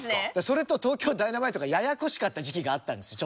それと東京ダイナマイトがややこしかった時期があったんですよ